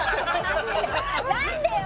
何でよ！